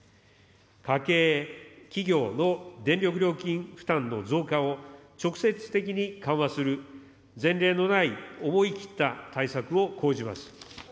家計・企業の電力料金負担の増加を直接的に緩和する、前例のない思い切った対策を講じます。